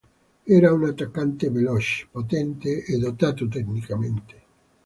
Era un attaccante veloce, potente e dotato tecnicamente.